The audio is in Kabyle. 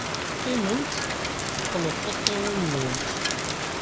Qqimemt, teqqned tiṭṭawin-nwent.